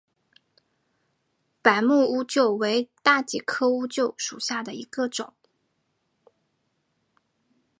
白木乌桕为大戟科乌桕属下的一个种。